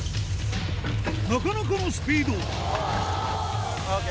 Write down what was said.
なかなかのスピードＯＫ！